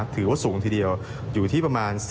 ถือว่าสูงทีเดียวอยู่ที่ประมาณ